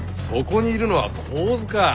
そこにいるのは神頭か。